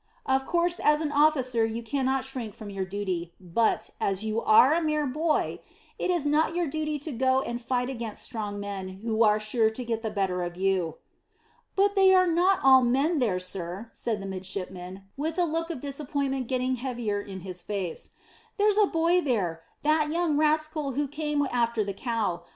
Of course as an officer you cannot shrink from your duty, but, as you are a mere boy, it is not your duty to go and fight against strong men who are sure to get the better of you." "But they are not all men there, sir," said the midshipman, with a look of disappointment getting heavier in his face. "There's a boy there that young rascal who came after the cow.